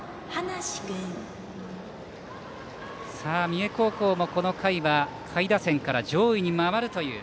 三重高校も、この回は下位打線から上位に回るという。